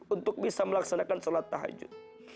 untuk bisa melaksanakan sholat tahajud